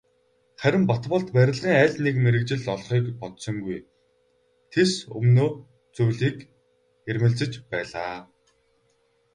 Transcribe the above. Харин Батболд барилгын аль нэг мэргэжил олохыг бодсонгүй, тэс өмнөө зүйлийг эрмэлзэж байлаа.